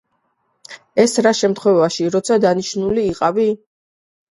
ეს რა შემთხვევაში, როცა დანიშნული იყავი?